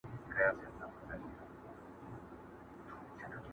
بشري حقونه دا پېښه غندي او نيوکي کوي سخت،